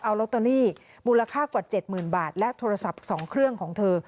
เอาร็อเตอรี่มูลค่ากว่าเจ็ดหมื่นบาทและโทรศัพท์สองเครื่องของเธอ